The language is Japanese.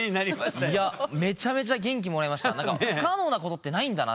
めちゃめちゃ元気もらいました。